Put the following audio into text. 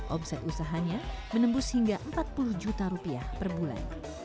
omset usahanya menembus hingga empat puluh juta rupiah per bulan